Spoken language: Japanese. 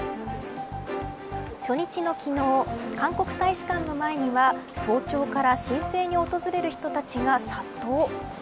初日の昨日韓国大使館の前には早朝から申請に訪れる人たちが殺到。